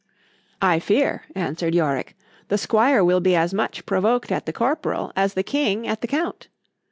——I fear, answered Yorick, the squire will be as much provoked at the corporal, as the King at the count.